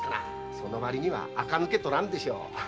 その割にあか抜けとらんでしょう。